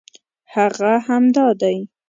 هغه همدا دی.